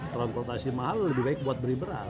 transportasi mahal lebih baik buat beli beras